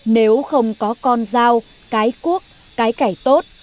nếu không có con dao cái cuốc cái cải tốt